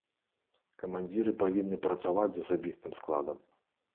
Камандзіры павінны працаваць з асабістым складам.